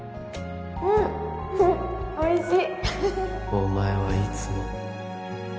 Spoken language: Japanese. お前はいつも